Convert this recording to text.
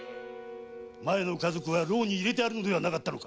麻耶の家族は牢に入れてあるのではなかったのか？